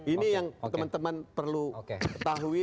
ini yang teman teman perlu ketahui